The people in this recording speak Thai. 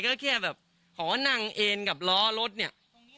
ก็แค่แบบขอนั่งเอ็นกับล้อรถเนี่ย